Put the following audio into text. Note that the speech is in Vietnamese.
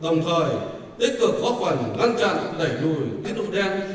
đồng thời tích cực góp phần ngăn chặn đẩy đùi kết nụ đen